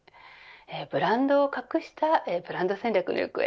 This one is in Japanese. ブランドを隠したブランド戦略の行方